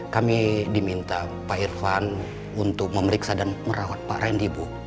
kami diminta pak irfan untuk memeriksa dan merawat pak randy bu